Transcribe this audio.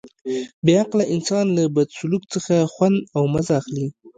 بې عقله انسان له بد سلوک څخه خوند او مزه اخلي.